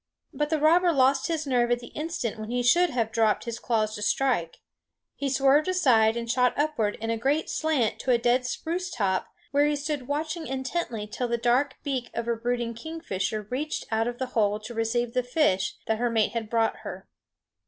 But the robber lost his nerve at the instant when he should have dropped his claws to strike. He swerved aside and shot upward in a great slant to a dead spruce top, where he stood watching intently till the dark beak of a brooding kingfisher reached out of the hole to receive the fish that her mate had brought her.